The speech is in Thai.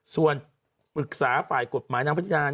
ส่วนปรึกษาฝ่ายกฎหมายนางพัฒนา